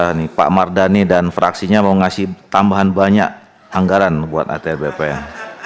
luar biasa nih pak mardhani dan fraksinya mau ngasih tambahan banyak anggaran buat atr bpn